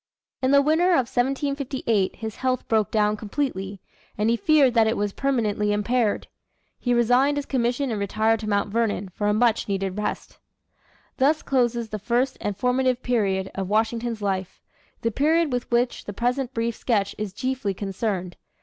In the winter of 1758 his health broke down completely, and he feared that it was permanently impaired. He resigned his commission and retired to Mount Vernon for a much needed rest. Thus closes the first and formative period of Washington's life the period with which the present brief sketch is chiefly concerned.